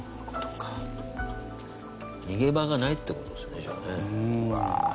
逃げ場がないって事ですよねじゃあね。